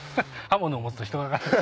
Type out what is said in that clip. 刃物を持つと人が変わる。